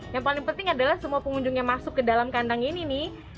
yang paling penting adalah semua pengunjung yang masuk ke dalam kandang ini nih